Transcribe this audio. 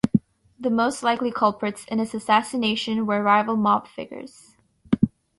The most likely culprits in his assassination were rival mob figures.